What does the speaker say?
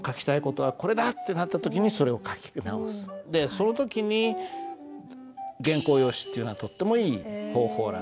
その時に原稿用紙っていうのはとってもいい方法なんです。